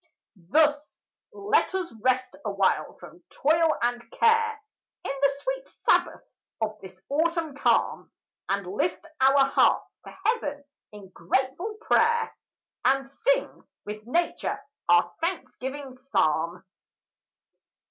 Thus let us rest awhile from toil and care, In the sweet sabbath of this autumn calm, And lift our hearts to heaven in grateful prayer, And sing with nature our thanksgiving psalm.